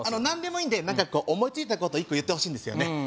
何でもいいんで何か思いついたこと１個言ってほしいんですよね